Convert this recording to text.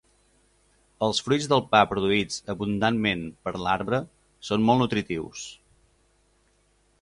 Els fruits del pa produïts abundantment per l'arbre són molt nutritius.